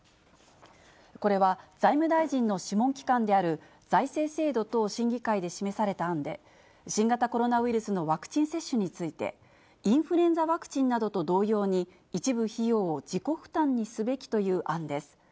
これは、財務大臣の諮問機関である、財政制度等審議会で示された案で、新型コロナウイルスのワクチン接種について、インフルエンザワクチンなどと同様に、一部費用を自己負担にすべきという案です。